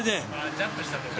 ジャンプしたときに。